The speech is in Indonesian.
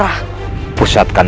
lihat yang aku lakukan